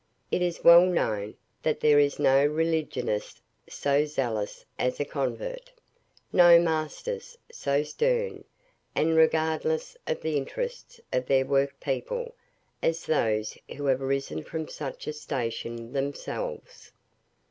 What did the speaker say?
It is well known, that there is no religionist so zealous as a convert; no masters so stern, and regardless of the interests of their work people, as those who have risen from such a station themselves.